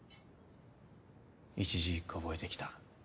一字一句覚えてきた。